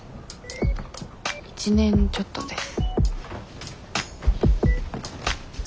１年ちょっとです。